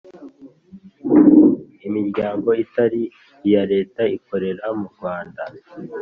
Imiryango itari iya Leta ikorera mu Rwanda